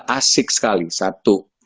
asik sekali satu